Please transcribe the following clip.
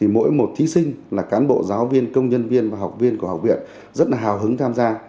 mỗi một thí sinh là cán bộ giáo viên công nhân viên và học viên của học viện rất là hào hứng tham gia